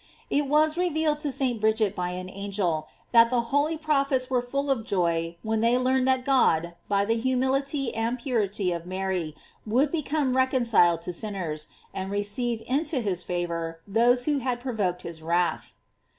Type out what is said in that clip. It was reveal ed to St. Bridget by an angel, that the holy proph ets were full of joy when they learned that God, by the humility and purity of Mary, would become reconciled to sinners, and receive into his favor those who had provoked his wrath.